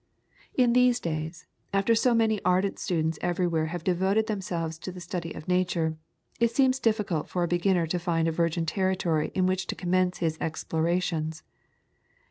In these days, after so many ardent students everywhere have devoted themselves to the study of Nature, it seems difficult for a beginner to find a virgin territory in which to commence his explorations.